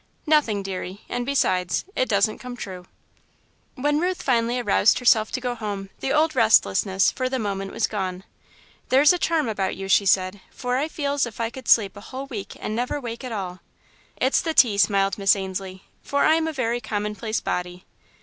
"Nothing, deary, and besides, it doesn't come true." When Ruth finally aroused herself to go home, the old restlessness, for the moment, was gone. "There's a charm about you," she said, "for I feel as if I could sleep a whole week and never wake at all." "It's the tea," smiled Miss Ainslie, "for I'm a very commonplace body."